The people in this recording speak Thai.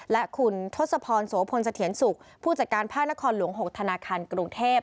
และคุณทศพรโสพลเสถียรสุขผู้จัดการภาคนครหลวง๖ธนาคารกรุงเทพ